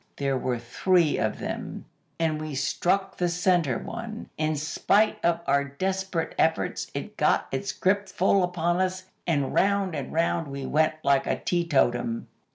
There were three of them, and we struck the centre one. In spite of our desperate efforts, it got its grip full upon us, and round and round we went like a teetotum.